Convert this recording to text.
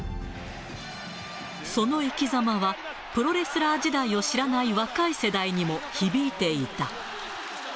その生きざまは、プロレスラー時代を知らない若い世代にも響いていた。